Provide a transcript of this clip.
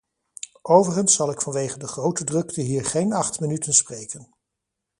Overigens zal ik vanwege de grote drukte hier geen acht minuten spreken.